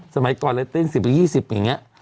สมัยก่อนแล้วเล็ตติ้ง๑๐หรือ๒๐อย่างเงี้ย